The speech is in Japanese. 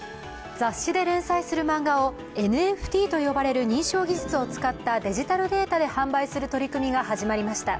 雑誌で連載する漫画をＮＦＴと呼ばれる認証技術を使ったデジタルデータで販売する取り組みが始まりました。